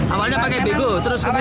awalnya pakai bego terus kemudian